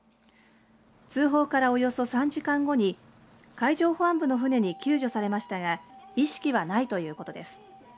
通報からおよそ３時間後に海上保安部の船に救助されましたが意識はないということです。